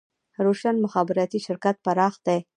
روشن مخابراتي شرکت پراخ دی